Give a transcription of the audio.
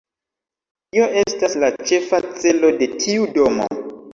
Tio estas la ĉefa celo de tiu domo.